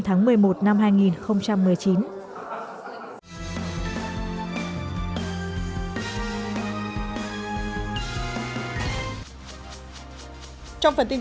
trong phần tin quốc tế thổ nhĩ kỳ và nga bắt đầu tuần truyền thống